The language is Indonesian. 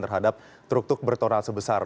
terhadap truk truk bertoral sebesar